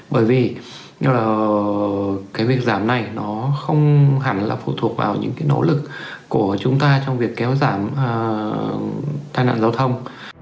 bởi vì cái việc giảm này nó không hẳn là phụ thuộc vào những nỗ lực của chúng ta trong việc kéo giảm tai nạn giao thông